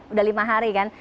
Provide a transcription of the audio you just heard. udah lima hari kan